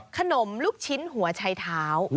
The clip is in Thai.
ขนมลูกชิ้นหัวชัยเท้า